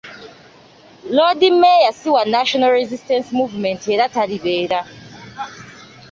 Loodi mmeeya si wa National Resistance Movement era talibeera.